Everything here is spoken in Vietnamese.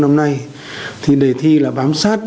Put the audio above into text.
năm nay thì đề thi là bám sát